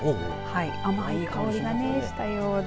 甘い香りがね、したようです。